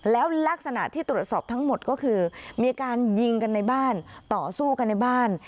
แล้วลักษณะที่ตรวจสอบทั้งหมดก็คือมีการยิงกันในบ้านต่อสู้กันในบ้าน